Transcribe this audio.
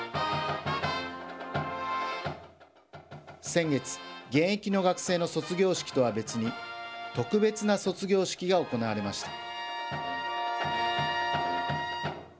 先月、現役の学生の卒業式とは別に、特別な卒業式が行われました。